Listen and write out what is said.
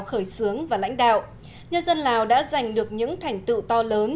khởi xướng và lãnh đạo nhân dân lào đã giành được những thành tựu to lớn